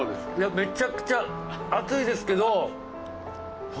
めちゃくちゃ熱いですけど。